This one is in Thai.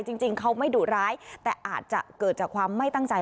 จริงเขาไม่ดุร้ายแต่อาจจะเกิดจากความไม่ตั้งใจ